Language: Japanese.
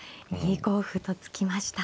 ２五歩と突きました。